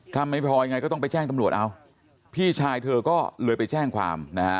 ถ้าไม่พลอยไงก็ต้องไปแจ้งตำรวจเอาพี่ชายเธอก็เลยไปแจ้งความนะฮะ